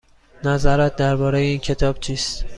نظرت درباره این کتاب چیست؟